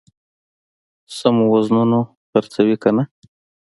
سمو وزنونو خرڅوي کنه.